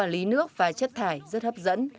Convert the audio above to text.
lý nước và chất thải rất hấp dẫn